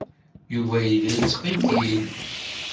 Yuba yella yettqeyyil.